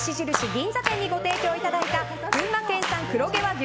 銀座店にご提供いただいた群馬県産黒毛和牛